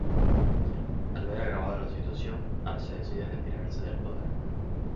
Al ver agravada la situación, Arce decide retirase del poder.